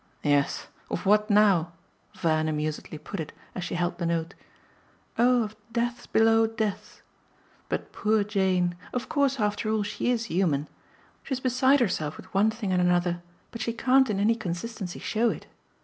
"Yes, of what now?" Van amusedly put it as she held the note. "Oh of depths below depths. But poor Jane of course after all she's human. She's beside herself with one thing and another, but she can't in any consistency show it.